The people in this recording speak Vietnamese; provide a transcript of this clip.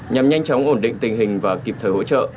nhằm nhanh chóng ổn định tình hình và kịp thời hỗ trợ